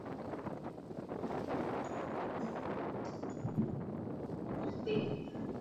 zake husika na Wajumbe wa mtaa huwa ndio huwa wanashirikiana na walinzi hao katika